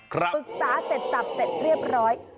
ปรึกษาเสร็จจับเสร็จเรียบร้อย